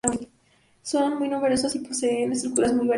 Son muy numerosos y poseen estructuras muy variadas.